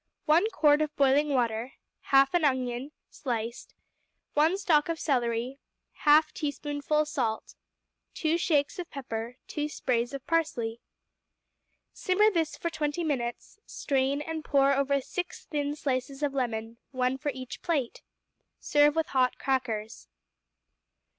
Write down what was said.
1 quart of boiling water. 1/2 an onion, sliced. 1 stalk of celery. 1/2 teaspoonful salt. 2 shakes of pepper. 2 sprays of parsley. Simmer this for twenty minutes, strain, and pour over six thin slices of lemon, one for each plate. Serve with hot crackers.